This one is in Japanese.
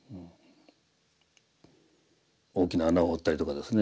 大きな穴を掘ったりとかですね